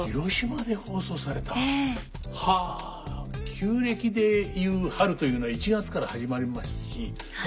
旧暦でいう春というのは１月から始まりますしま